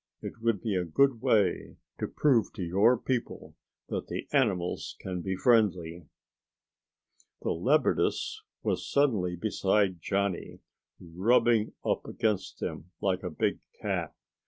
"It would be a good way to prove to your people that the animals can be friendly." The leopardess was suddenly beside Johnny, rubbing up against him like a big cat.